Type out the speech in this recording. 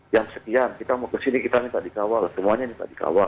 yang sekian kita mau ke sini kita minta dikawal semuanya minta dikawal